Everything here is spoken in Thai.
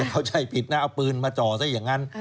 เข้าใจผิดนะเอาปืนมาจ่อซะอย่างนั้น